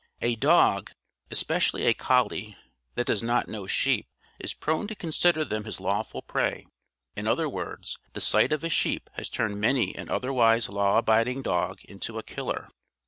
A dog especially a collie that does not know sheep, is prone to consider them his lawful prey, in other words, the sight of a sheep has turned many an otherwise law abiding dog into a killer.